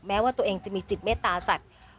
แม้ว่าตัวเองจะมีจิตเมตตาสัตว์